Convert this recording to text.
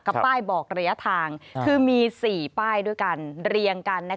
ป้ายบอกระยะทางคือมี๔ป้ายด้วยกันเรียงกัน